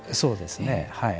そうですね。